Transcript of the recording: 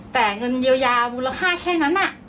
แต่เงินเยียวยามูลค่าแค่นั้น